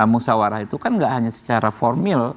musawarah itu kan gak hanya secara formil